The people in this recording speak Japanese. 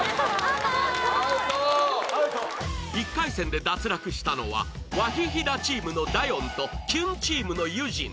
１回戦で脱落したのはワヒヒダチームのダヨンとキュンチームのユジン